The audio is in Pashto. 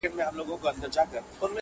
له یوه میدانه وزو بل میدان ته ور ګډیږو -